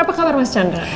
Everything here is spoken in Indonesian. apa kabar mas chandra